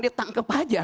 dia tangkap saja